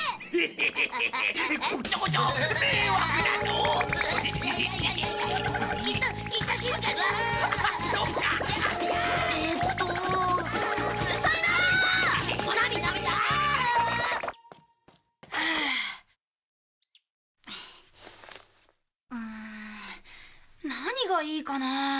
うーん。何がいいかなあ。